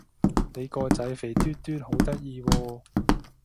你個仔肥嘟嘟好得意喎